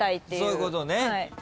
そういうことね。